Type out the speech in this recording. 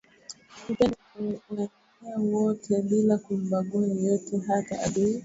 upendo unaowaenea wote bila kumbagua yeyote hata adui